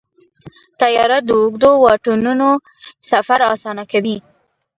طیاره د اوږدو واټنونو سفر اسانه کوي.